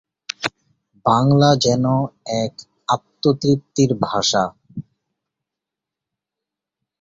পরিবারটি ধর্মভিত্তিক ছিল এবং উইলিয়াম একজন লুথেরান মানুষ করেছিলেন।